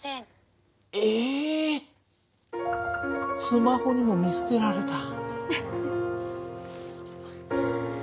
スマホにも見捨てられた。